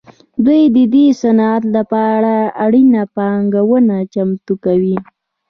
دوی د دې صنعت لپاره اړینه پانګونه چمتو کوي